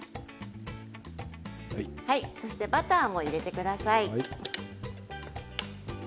そしてバターも入れてください。